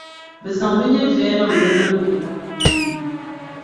bɛ zaŋ bɛ nyɛviya niŋ bɛ Namda la nuu ni.